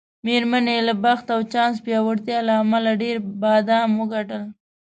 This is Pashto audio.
میرمنې یې له بخت او چانس پیاوړتیا له امله ډېر بادام وګټل.